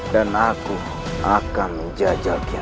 dan aku akan menjajalkan sampah